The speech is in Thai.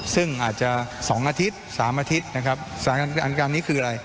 ซึ่งอาจจะ๒อาทิตย์๓อาทิตย์นะครับสถานการณ์นี้คืออะไร